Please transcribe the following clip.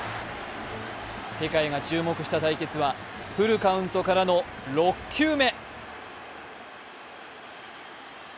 世界が注目した対決はフルカウントからの６球目。